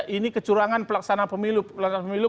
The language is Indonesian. ini kecurangan pelaksanaan pemilu